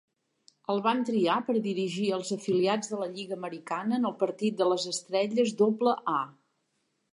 El van triar per dirigir als afiliats de la Lliga Americana en el partit de les estrelles doble-A.